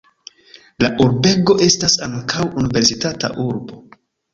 La urbego estas ankaŭ universitata urbo.